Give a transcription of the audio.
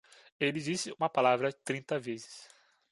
Ele disse uma palavra trinta vezes.